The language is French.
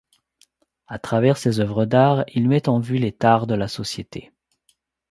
À travers ses œuvres d'art, il met en vue les tares de la société.